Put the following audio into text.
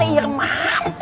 bisa lah irman